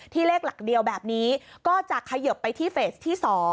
เลขหลักเดียวแบบนี้ก็จะเขยิบไปที่เฟสที่๒